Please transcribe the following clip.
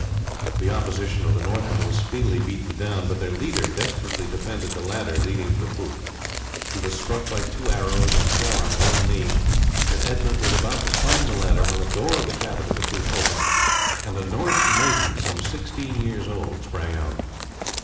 The opposition of the Northmen was speedily beaten down, but their leader desperately defended the ladder leading to the poop. He was struck by two arrows, and fell on one knee, and Edmund was about to climb the ladder when the door of the cabin in the poop opened, and a Norse maiden some sixteen years old sprang out.